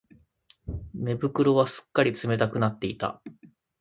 寝袋はすっかり冷たくなっていた